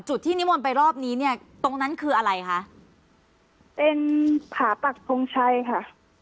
จุดที่นิมนต์ไปรอบนี้เนี่ยตรงนั้นคืออะไรคะเป็นผาปักทงชัยค่ะ